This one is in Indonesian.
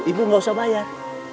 ibu gak usah bayar